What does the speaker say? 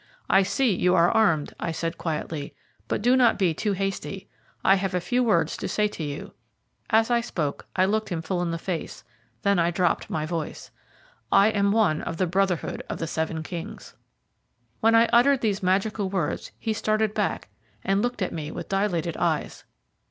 "I see you are armed," I said quietly, "but do not be too hasty. I have a few words to say to you." As I spoke I looked him full in the face, then I dropped my voice. "I am one of the Brotherhood of the Seven Kings!" When I uttered these magical words he started back and looked at me with dilated eyes.